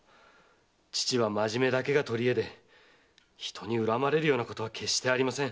父は真面目だけが取り柄で人に恨まれるようなことは決してありません。